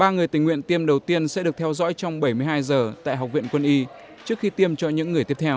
ba người tình nguyện tiêm đầu tiên sẽ được theo dõi trong bảy mươi hai giờ tại học viện quân y trước khi tiêm cho những người tiếp theo